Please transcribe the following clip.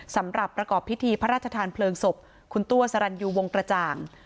สำหรับประกอบพิธีพระราชทานเพลิงศพคุณตัวสรรยูวงกระจ่าง